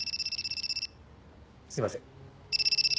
すいません。